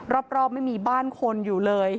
รอบไม่มีบ้านคนอยู่เลย